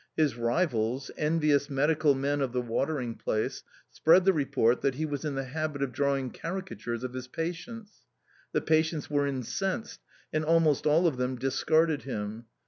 His rivals, envious medical men of the watering place, spread the report that he was in the habit of drawing caricatures of his patients. The patients were incensed, and almost all of them discarded him.